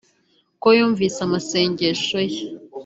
ko yumvise amasengesho ye